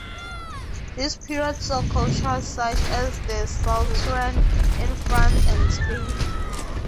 This period saw cultures such as the Solutrean in France and Spain.